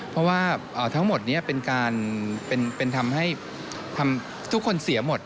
เพราะว่าทั้งหมดนี้เป็นการเป็นทำให้ทุกคนเสียหมด